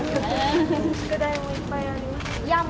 宿題もいっぱいありましたか？